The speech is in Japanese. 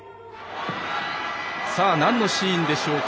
なんのシーンでしょうか。